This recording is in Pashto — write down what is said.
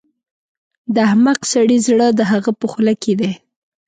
د احمق سړي زړه د هغه په خوله کې دی.